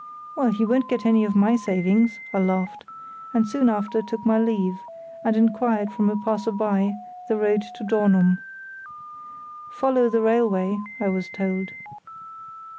"Well, he won't get any of my savings!" I laughed, and soon after took my leave, and inquired from a passer by the road to Dornum. "Follow the railway," I was told.